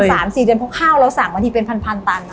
เพราะข้าวเราสั่งมาทีเป็นพันตังค์